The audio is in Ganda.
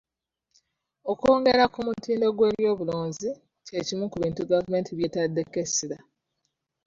Okwongera ku mutindo gw'ebyobulimirunzi ky'ekimu ku bintu gavumenti by'etaddeko essira.